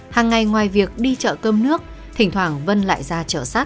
hàng ngày ngoài việc đi chợ cơm nước thỉnh thoảng vân lại ra chợ sát